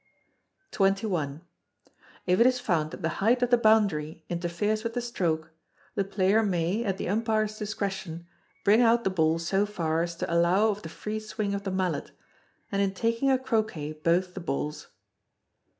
xxi. If it is found that the height of the boundary interferes with the stroke, the player may, at the umpire's discretion, bring out the ball so far as to allow of the free swing of the mallet, and in taking a Croquet both the balls.